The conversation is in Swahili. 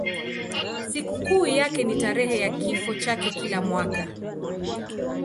Sikukuu yake ni tarehe ya kifo chake kila mwaka.